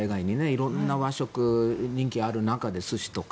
色んな和食、人気がある中で寿司とか。